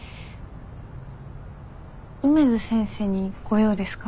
梅津先生にご用ですか？